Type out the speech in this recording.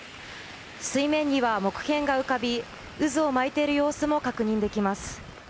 水面には木片が浮かびうずを巻いている様子も確認できます。